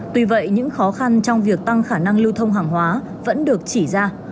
tuy vậy những khó khăn trong việc tăng khả năng lưu thông hàng hóa vẫn được chỉ ra